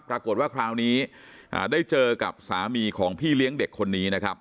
ปรากฏว่าคราวนี้ได้เจอกับสามีของพี่เลี้ยงเด็กคนนี้นะครับ